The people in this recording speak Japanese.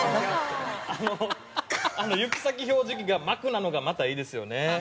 あの行先表示器が幕なのがまたいいですよね。